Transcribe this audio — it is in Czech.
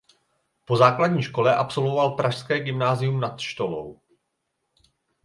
Po základní škole absolvoval pražské Gymnázium Nad Štolou.